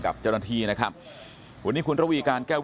ตรของหอพักที่อยู่ในเหตุการณ์เมื่อวานนี้ตอนค่ำบอกให้ช่วยเรียกตำรวจให้หน่อย